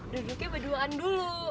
duduknya berduaan dulu